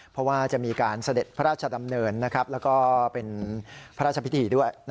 เพราะว่าจะมีการเสด็จพระราชดำเนินแล้วก็เป็นพระราชพิธีด้วย